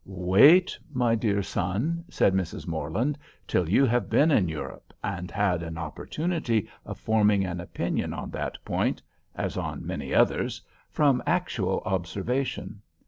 "Wait, my dear son," said Mrs. Morland, "till you have been in Europe, and had an opportunity of forming an opinion on that point (as on many others) from actual observation.